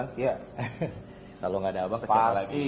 kalau gak ada abang